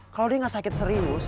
kalau dia tidak sakit serius